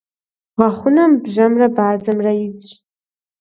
Гъэхъунэм бжьэмрэ бадзэмрэ изщ.